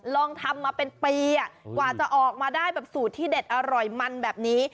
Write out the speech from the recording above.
ลองทำมาเป็นปีกว่าจะออกมาได้แบบสูตรที่เด็ดอร่อยมันแบบนี้